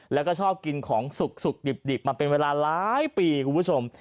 แล้วก็ชอบกินของสุกดิบมาเป็นเวลาหลายปีคุณผู้ชม